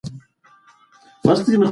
ځوانان د نړۍ په کچه د بدلون مخکښان دي.